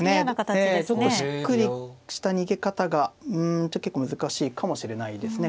ええちょっとしっくりした逃げ方がうん結構難しいかもしれないですね。